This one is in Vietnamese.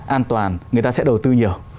an toàn người ta sẽ đầu tư nhiều